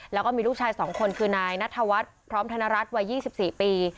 แล้วก็มีลูกชาย๒คนคือนายนัทวัฒน์พร้อมธนรัฐวัย๒๔ปี